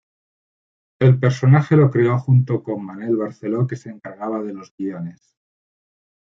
El personaje lo creó junto con Manel Barceló, que se encargaba de los guiones.